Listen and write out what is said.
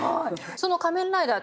その「仮面ライダー」